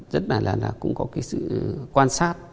rất là là cũng có cái sự quan sát